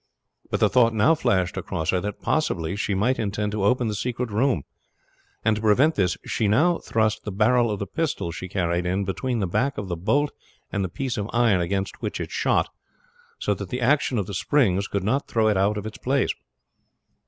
But the thought now flashed across her that possibly she might intend to open the secret room; and to prevent this she now thrust the barrel of the pistol she carried in between the back of the bolt and the piece of iron against which it shot, so that the action of the springs could not throw it out of its place.